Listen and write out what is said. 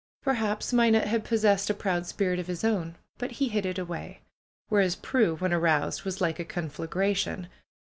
Perhaps, Minot had possessed a proud spirit of his own; but he hid it away. Whereas, Prue, when aroused, was like a conflagration.